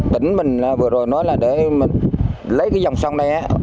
tỉnh mình vừa rồi nói là để lấy cái dòng sông này á